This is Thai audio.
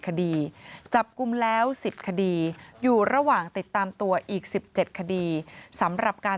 คดีจับกลุ่มแล้ว๑๐คดีอยู่ระหว่างติดตามตัวอีก๑๗คดีสำหรับการ